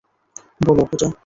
বলো, পূজা।